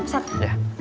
ya lukman ini